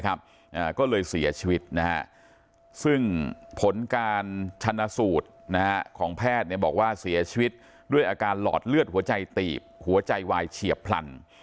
ก็เลยเสียชีวิตนะฮะซึ่งผลการชนะสูตรของแพทย์บอกว่าเสียชีวิตด้วยอาการหลอดเลือดหัวใจตีบหัวใจวายเฉียบพลัน